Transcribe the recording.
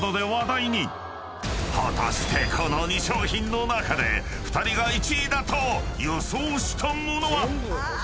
［果たしてこの２商品の中で２人が１位だと予想した物は］